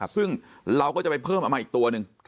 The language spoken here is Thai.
ซึ่งเราก็จะไปเพิ่มเอามาอีกตัวหนึ่ง